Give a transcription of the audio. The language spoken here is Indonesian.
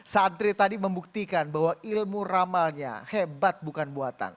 santri tadi membuktikan bahwa ilmu ramalnya hebat bukan buatan